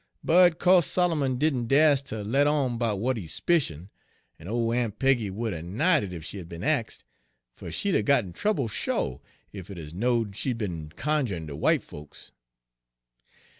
But co'se Solomon didn' das' ter let on 'bout w'at he 'spicioned, en ole Aun' Peggy would 'a' 'nied it ef she had be'n ax', fer she'd 'a' got in trouble sho', ef it 'uz knowed she'd be'n cunj'in' de w'ite folks.